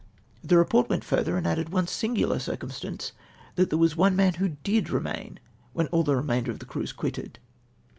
'•■ The report Avent further, and added one singular circum stance— that there Avas o»e man Avho did remain Avhen all the remainder of the crews had quitted.